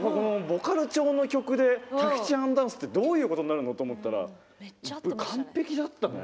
ボカロ調の曲でタヒチアンダンスってどういうことになるの？って思ったら完璧だったね。